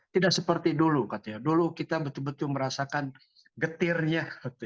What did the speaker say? tidak seperti dulu katanya dulu kita betul betul merasakan getirnya